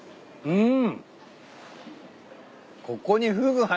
うん。